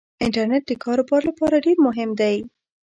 انټرنيټ دکار وبار لپاره ډیرمهم دی